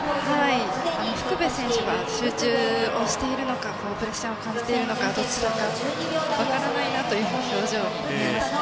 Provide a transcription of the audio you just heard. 福部選手が集中しているのかプレッシャーを感じているのかどちらか分からないという表情に見えましたね。